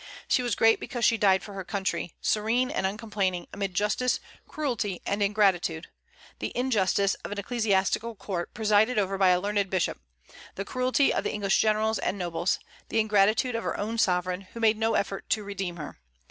She was great because she died for her country, serene and uncomplaining amid injustice, cruelty, and ingratitude, the injustice of an ecclesiastical court presided over by a learned bishop; the cruelty of the English generals and nobles; the ingratitude of her own sovereign, who made no effort to redeem her.